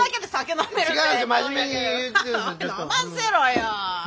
飲ませろよ。